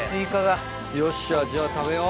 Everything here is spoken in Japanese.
よっしゃじゃあ食べよう。